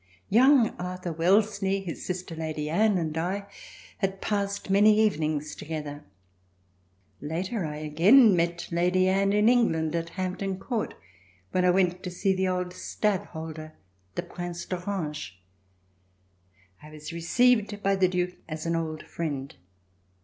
Young Arthur Wellesley, his sister Lady Anne and I had passed many evenings together. Later I again met Lady Anne in England at Hampton Court, when I went to see the old Stadtholder, the Prince d'Orange. I was received by the Duke as an old friend.